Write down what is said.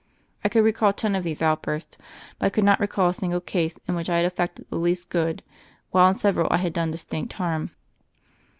I could recall ten of these outbursts; but I could not recall a single case in which I had effected the least good, while in several I had done distinct harm.